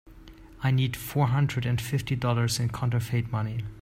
I need four hundred and fifty dollars in counterfeit money.